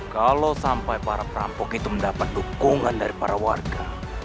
kalau sampai para perampok itu mendapat dukungan dari para warga